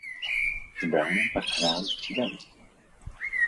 S Brownem pak hráli střídavě.